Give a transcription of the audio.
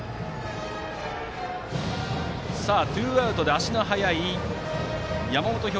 ツーアウトで足の速い山本彪